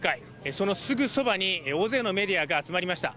そのすぐそばに大勢のメディアが集まりました。